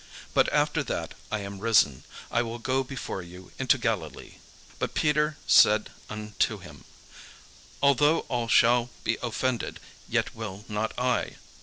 But after that I am risen, I will go before you into Galilee." But Peter said unto him, "Although all shall be offended, yet will not I."